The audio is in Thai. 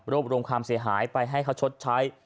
รวมความเสียหายไปให้เขาชดใช้